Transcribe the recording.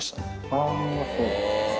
あー、そう。